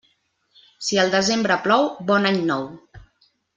Si el desembre plou, bon any nou.